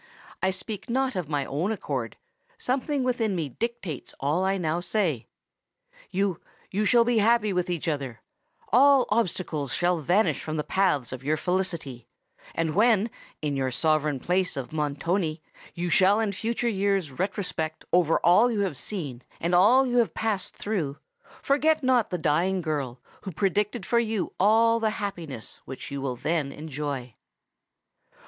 "I speak not of my own accord—something within me dictates all I now say! Yes—you shall be happy with each other; all obstacles shall vanish from the paths of your felicity; and when, in your sovereign palace of Montoni, you shall in future years retrospect over all you have seen and all you have passed through, forget not the dying girl who predicted for you all the happiness which you will then enjoy!"